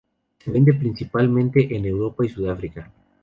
Se vende principalmente en Europa y Sudáfrica.